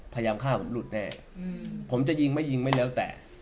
พยายามฆ่าผมหลุดแน่ผมจะยิงไม่ยิงไม่แล้วแต่